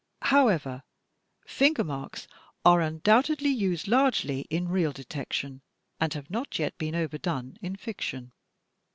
However, fingermarks are undoubtedly used largely in real detection, and have not yet been overdone in fiction.